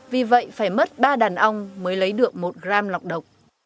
vì vậy phải mất ba đàn ong mới lấy được một gram lọc độc